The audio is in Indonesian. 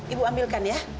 ibu ambilkan ya